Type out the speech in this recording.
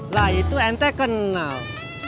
lah itu ente kenal